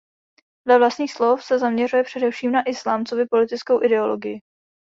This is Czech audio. Dle vlastních slov se zaměřuje především na islám coby politickou ideologii.